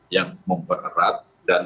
yang mempererat dan